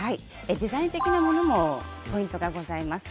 デザイン的なものもポイントがございます。